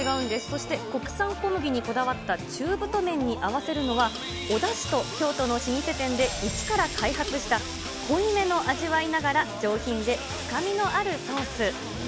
そして国産小麦にこだわった中太麺に合わせるのは、おだしと京都の老舗店で一から開発した濃いめの味わいながら、上品で深みのあるソース。